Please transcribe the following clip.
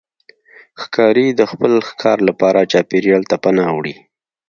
ښکاري د خپل ښکار لپاره چاپېریال ته پناه وړي.